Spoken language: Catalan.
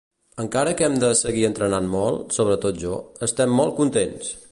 Encara que hem de seguir entrenant molt, sobretot jo, estem molt contents!